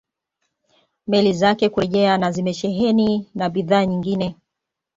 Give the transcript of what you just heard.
Meli zake kurejea na zimesheheni na bidhaa nyingine